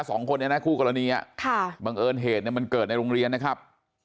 สองคนเนี่ยนะคู่กรณีอ่ะค่ะบังเอิญเหตุเนี่ยมันเกิดในโรงเรียนนะครับ